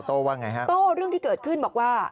ท่อโต้ว่าอย่างไรครับโต้เรื่องที่เกิดขึ้นบอกว่า